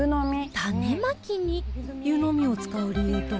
種まきに湯呑みを使う理由とは？